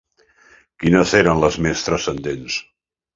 Quines eren les més transcendents?